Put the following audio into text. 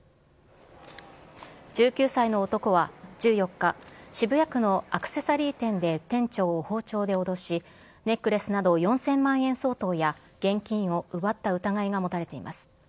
１９歳の男は、１４日、渋谷区のアクセサリー店で店長を包丁で脅し、ネックレスなど４０００万円相当や、現金を奪った疑いが持たれています。